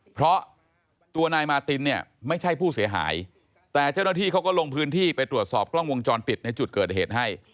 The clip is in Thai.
เพราะตัวนายมาตินเนี่ยไม่ใช่ผู้เสียหายแต่เจ้าหน้าที่เขาก็ลงพื้นที่ไปตรวจสอบกล้องวงจรปิดในจุดเกิดเหตุให้